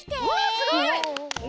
すごい！